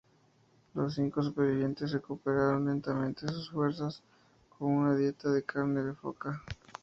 Los cinco supervivientes recuperaron lentamente sus fuerzas con una dieta de carne de foca.